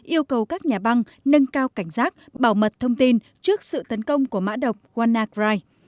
yêu cầu các nhà băng nâng cao cảnh giác bảo mật thông tin trước sự tấn công của mã độc wanacride